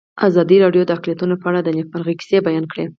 ازادي راډیو د اقلیتونه په اړه د نېکمرغۍ کیسې بیان کړې.